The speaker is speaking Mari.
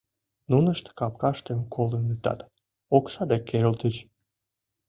Нунышт капкаштым колынытат, окса дек керылтыч.